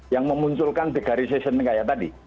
yang memunculkan degarisation kayak tadi